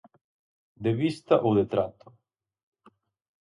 De vista ou de trato.